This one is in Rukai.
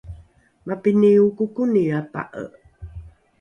mapini okokoni apa’e?